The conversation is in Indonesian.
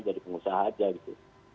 jadi pengusaha aja gitu